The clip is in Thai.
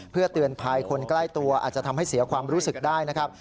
เพื่อเตือนภัยคนใกล้ตัวอาจจะทำให้เสียความรู้สึกได้นะครับ